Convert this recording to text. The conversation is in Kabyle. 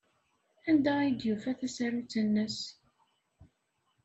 Anda ay d-yufa tasarut-nnes?